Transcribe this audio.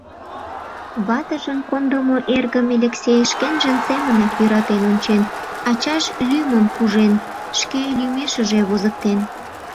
Ватыжын кондымо эргым Элексей шкенжын семынак йӧратен ончен, ачаж лӱмым пужен, шке лӱмешыже возыктен.